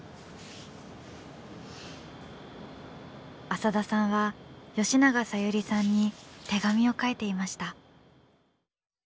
浅田さんは吉永小百合さんに手紙を書いていました。